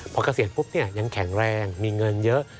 พอเกษียณปุ๊บยังแข็งแรงมีเงินเยอะ